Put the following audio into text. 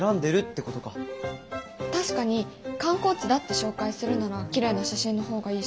確かに観光地だって紹介するならきれいな写真の方がいいし。